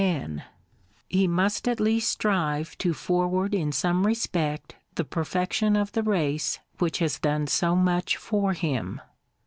45 men ; he must at least strive to forward in some respect the perfection of the race which has done so much for him.